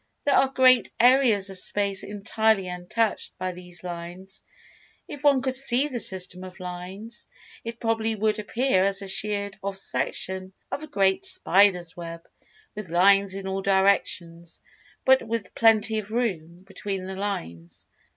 There are great areas of Space entirely untouched by these lines. If one could see the system of lines, it probably would appear as a sheared off section of a great spider's web, with lines in all directions, but with "plenty of room" between the lines.